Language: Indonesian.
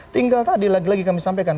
tinggal tadi lagi lagi kami sampaikan